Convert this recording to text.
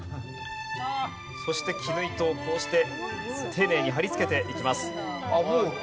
そして絹糸をこうして丁寧に貼り付けていきます。